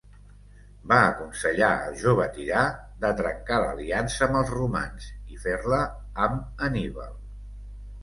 Va aconsellar al jove tirà de trencar l'aliança amb els romans i fer-la amb Anníbal.